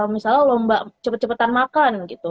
misalnya lomba cepet cepetan makan gitu